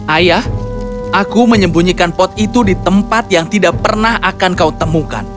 ayah aku menyembunyikan pot itu di tempat yang tidak pernah akan kau temukan